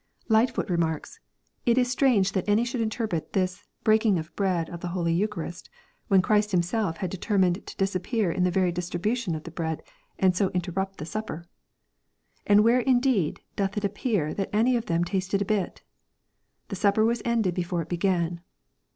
Lightfoot remarks, " It is strange that any should interpret this breaking of bread of the holy eucharist, when Christ Himself had determined to disappear in the very distribution of the bread, and so interrupt the supper. And where indeed doth it appear that any of them tasted a bit ? The supper was ended before it be gan."